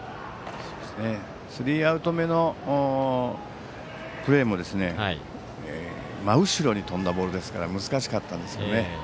スリーアウト目のプレーも真後ろに飛んだボールでしたから難しかったんですけど。